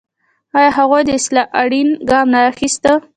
هغوی د اصلاح اړین ګام نه اخیسته.